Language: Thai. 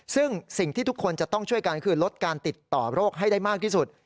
ซึ่งสิ่งที่ทุกคนจะต้องช่วยกันคือลดการติดต่อโรคให้ได้มากที่สุด